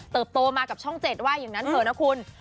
เติบโตมากับช่องเจ็ดว่าอย่างนั้นเผลอนะคุณ